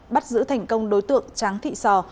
bắt giữ thành công đối tượng tráng thị sò